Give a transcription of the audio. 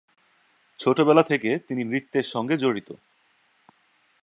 ছোটবেলা থেকে তিনি নৃত্যের সাথে জড়িত।